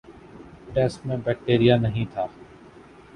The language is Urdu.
ٹیسٹ میں بیکٹیریا نہیں تھا